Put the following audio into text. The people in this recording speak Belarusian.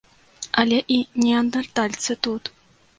Але і неандэртальцы тут.